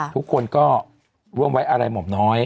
ทุกคนก็ร่วมไว้อะไรหม่อมน้อย